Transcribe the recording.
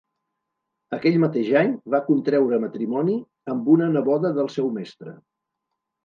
Aquell mateix any va contreure matrimoni amb una neboda del seu mestre.